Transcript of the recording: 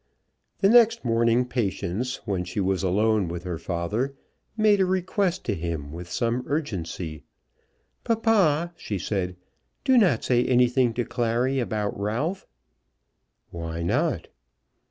The next morning Patience, when she was alone with her father, made a request to him with some urgency. "Papa," she said, "do not say anything to Clary about Ralph." "Why not?"